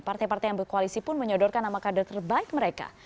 partai partai yang berkoalisi pun menyodorkan nama kader terbaik mereka